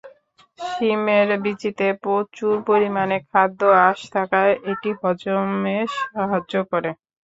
শিমের বিচিতে প্রচুর পরিমাণে খাদ্য আঁশ থাকায় এটি হজমে সাহায্য করে।